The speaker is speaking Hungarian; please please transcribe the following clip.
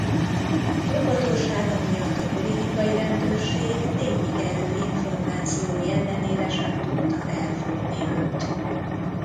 Óvatossága miatt a politikai rendőrség Démy-Gerő információi ellenére sem tudta elfogni őt.